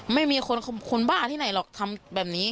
ไม่มีคนบ้าที่ไหนหรอกทำแบบนี้